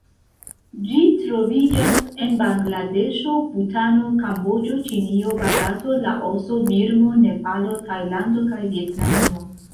Ĝi troviĝas en Bangladeŝo, Butano, Kamboĝo, Ĉinio, Barato, Laoso, Birmo, Nepalo, Tajlando kaj Vjetnamio.